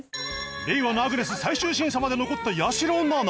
令和のアグネス最終審査まで残ったやしろなな